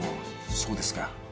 そうですか。